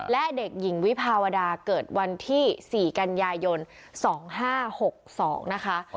และเด็กหญิงวิภาวดาเกิดวันที่๔กันยายน๒๕๖๒นะคะ